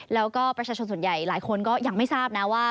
แล้วก็ประชาชนส่วนใหญ่หลายคนก็ยังไม่ทราบนะว่า